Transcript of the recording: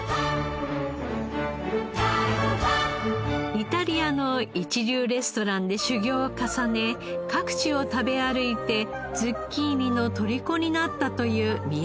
イタリアの一流レストランで修業を重ね各地を食べ歩いてズッキーニの虜になったという宮崎シェフ。